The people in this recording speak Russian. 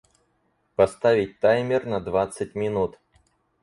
Поставить таймер на двадцать минут.